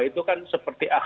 itu kan seperti